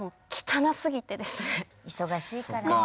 忙しいからね。